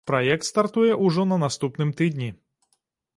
Праект стартуе ўжо на наступным тыдні.